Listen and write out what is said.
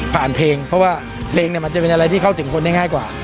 เพลงเพราะว่าเพลงเนี่ยมันจะเป็นอะไรที่เข้าถึงคนได้ง่ายกว่า